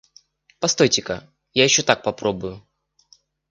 Постойте-ка, я ещё так попробую.